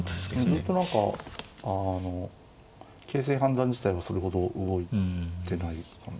ずっと何か形勢判断自体はそれほど動いてない感じ。